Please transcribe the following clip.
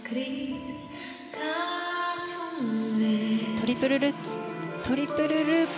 トリプルルッツトリプルループ。